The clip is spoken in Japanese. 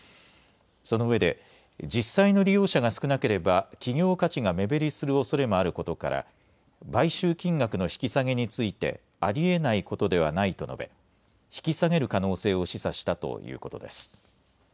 そのうえで実際の利用者が少なければ企業価値が目減りするおそれもあることから買収金額の引き下げについてありえないことではないと述べ引き下げる可能性を示唆したということです。